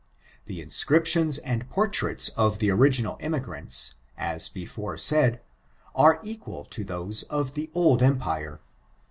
Tbe insoriptioiii and portraiti of the original emigranti, at before said, are eq[ual to thoie of tiie old Empire.